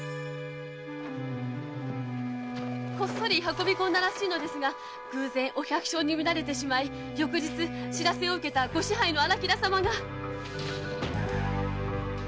こっそり運び込んだらしいのですが偶然見られてしまい翌日報せを受けた御支配の荒木田様が！